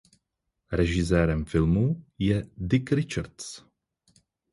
Režisérem filmu je Dick Richards.